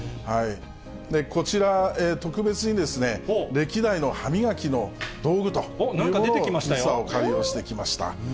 こちら、特別に、歴代の歯磨きの道具というものを、実はお借りをしてきました。